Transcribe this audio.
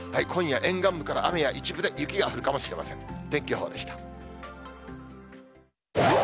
今夜、沿岸部から雨や、一部で雪が降るかもしれません。